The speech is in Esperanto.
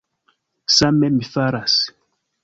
Same mi faras.